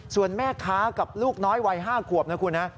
ส่วนแม่ค้ากับลูกน้อยวัย๕ขวบนะคุณนะ